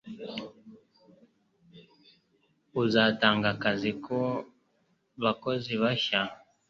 uzatanga akazi ku bakozi bashya